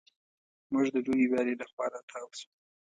موږ د لویې ویالې له خوا را تاو شوو.